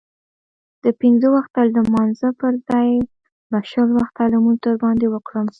د پنځه وخته لمانځه پرځای به شل وخته لمونځ در باندې وکړم.